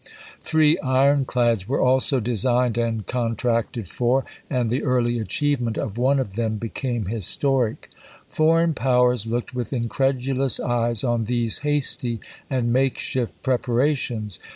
Three ironclads were also designed and contracted for, and the early achievement of one of them became historic. Foreign powers looked with incredulous eyes on 5 ABRAHAM LINCOLN CHAP. I. these hasty and makeshift preparations.